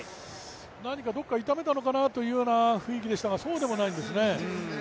何かどこか痛めたのかなという雰囲気でしたが、そうでもないんですね。